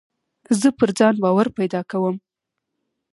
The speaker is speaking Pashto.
زه پر ځان باور پیدا کوم.